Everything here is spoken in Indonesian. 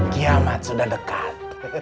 kiamat sudah dekat